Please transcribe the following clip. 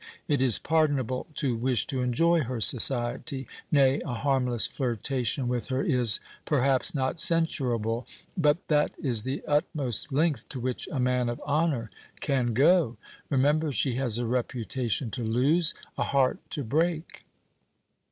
It is pardonable to wish to enjoy her society nay, a harmless flirtation with her is, perhaps, not censurable; but that is the utmost length to which a man of honor can go! Remember she has a reputation to lose, a heart to break!"